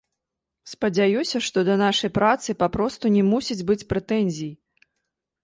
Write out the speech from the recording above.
Спадзяюся, што да нашай працы папросту не мусіць быць прэтэнзій.